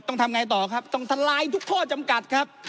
ทำไงต่อครับต้องทลายทุกข้อจำกัดครับ